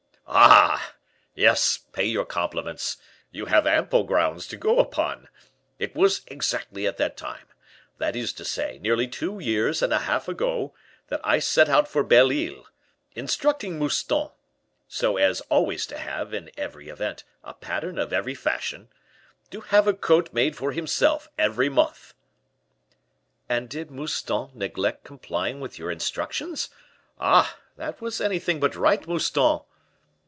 "Ah! yes; pay your compliments; you have ample grounds to go upon. It was exactly at that time that is to say, nearly two years and a half ago that I set out for Belle Isle, instructing Mouston (so as always to have, in every event, a pattern of every fashion) to have a coat made for himself every month." "And did Mouston neglect complying with your instructions? Ah! that was anything but right, Mouston."